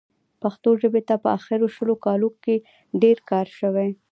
پښتو ژبې ته په اخرو شلو کالونو کې ډېر کار شوی.